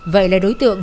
vậy là đối tượng